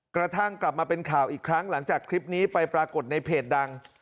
กระทั่งกลับมาเป็นข่าวอีกครั้งหลังจากคลิปนี้ไปปรากฏในเพจดัง